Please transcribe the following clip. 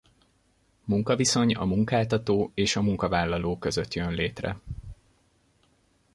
Munkaviszony a munkáltató és a munkavállaló között jön létre.